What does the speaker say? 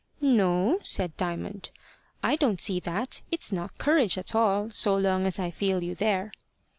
"No," said Diamond, "I don't see that. It's not courage at all, so long as I feel you there."